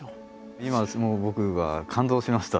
今僕は感動しました。